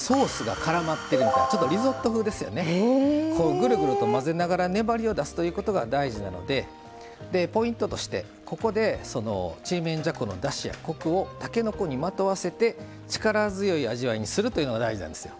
ぐるぐると混ぜながら粘りを出すということが大事なのでポイントとしてここでそのちりめんじゃこのだしやコクをたけのこにまとわせて力強い味わいにするというのが大事なんですよ。